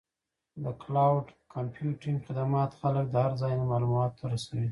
د کلاؤډ کمپیوټینګ خدمات خلک د هر ځای نه معلوماتو ته رسوي.